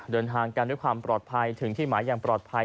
เดินทางกันด้วยความปลอดภัยถึงที่หมายอย่างปลอดภัย